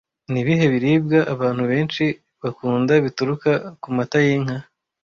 Nibihe biribwa abantu benshi bakunda bituruka kumata yinka